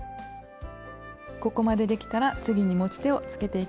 ここまでできたら次に持ち手をつけていきますよ。